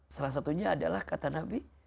salah satunya adalah kata nabi